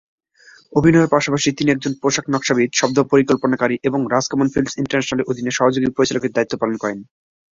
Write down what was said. অভিনয়ের পাশাপাশি তিনি একজন পোশাক নকশাবিদ, শব্দ পরিকল্পনাকারী এবং রাজ কমল ফিল্ম ইন্টারন্যাশনালের অধীনে সহযোগী পরিচালকের দায়িত্ব পালন করেন।